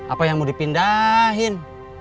apa yang mau dipindahin